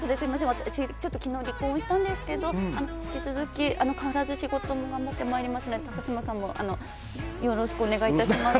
私、昨日、離婚したんですけど引き続き、必ず仕事も頑張ってまいりますので高嶋さんもよろしくお願い致します。